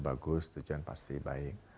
bagus tujuan pasti baik